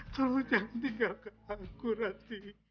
kau jangan tinggalkan aku rad